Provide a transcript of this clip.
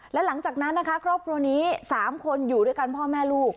และหลังจากนั้นนะคะครอบครัวนี้๓คนอยู่ด้วยกันพ่อแม่ลูก